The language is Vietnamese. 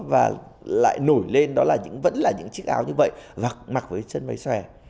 và lại nổi lên đó là vẫn là những chiếc áo như vậy mặc với chân máy xòe